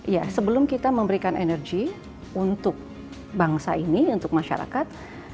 ya sebelum kita memberikan energi untuk bangsa ini untuk masyarakat